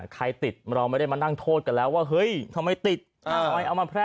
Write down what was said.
ใครติดเราไม่ได้มานั่งโทษกันแล้วว่าเฮ้ยทำไมติดทำไมเอามาแพร่